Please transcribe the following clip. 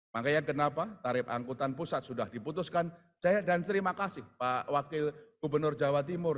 makanya kenapa tarif angkutan pusat sudah diputuskan dan terima kasih pak wakil gubernur jawa timur